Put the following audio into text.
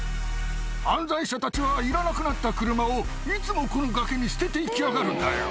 犯罪者たちはいらなくなった車を、いつもこの崖に捨てていきやがるんだよ。